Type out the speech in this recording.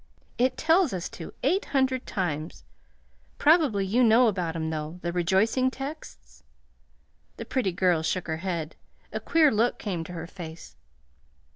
It tells us to eight hundred times. Probably you know about 'em, though the rejoicing texts." The pretty girl shook her head. A queer look came to her face.